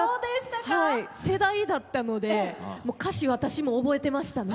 世代だったので歌詞、私も覚えてましたね。